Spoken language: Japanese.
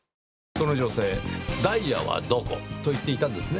その女性、ダイヤはどこと言っていたんですね。